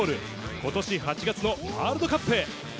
ことし８月のワールドカップへ。